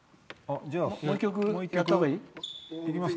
もう一曲やったほうがいい？